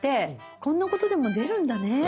こんなことでも出るんだね。